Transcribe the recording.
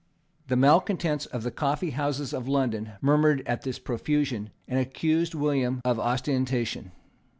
The malecontents at the coffeehouses of London murmured at this profusion, and accused William of ostentation.